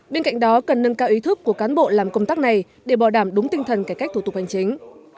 bên cạnh đó cần nâng cao ý thức của cán bộ làm công tác này để bảo đảm đúng tinh thần cải cách thủ tục hành chính